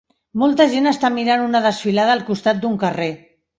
Molta gent està mirant una desfilada al costat d'un carrer.